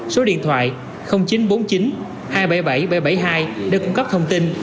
số điện thoại chín trăm bốn mươi chín hai trăm bảy mươi bảy bảy trăm bảy mươi hai để cung cấp thông tin